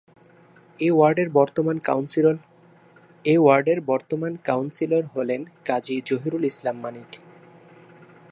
এ ওয়ার্ডের বর্তমান কাউন্সিলর হলেন কাজী জহিরুল ইসলাম মানিক।